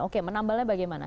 oke menambahnya bagaimana